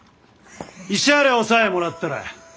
慰謝料さえもらったら。